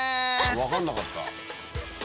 分かんなかった。